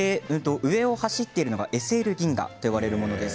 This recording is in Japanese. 上を走っているのがＳＬ銀河と呼ばれるものです。